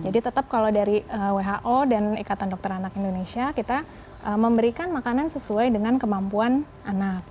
jadi tetap kalau dari who dan ikatan dokter anak indonesia kita memberikan makanan sesuai dengan kemampuan anak